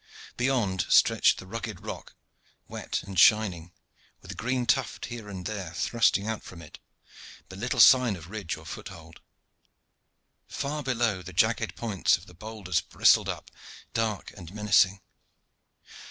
Beyond stretched the rugged rock, wet and shining, with a green tuft here and there thrusting out from it, but little sign of ridge or foothold. Far below the jagged points of the boulders bristled up, dark and menacing.